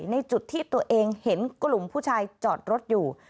ในจุดที่ตัวเองเห็นกลุ่มผู้ชายจอดรถอยู่